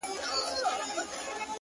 • چاویل مور یې بي بي پلار یې اوزبک دی,